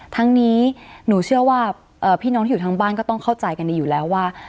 ทั้งนี้หนูเชื่อว่าพี่น้องที่อยู่ทางบ้านก็ต้องเข้าใจกันดีอยู่แล้วว่า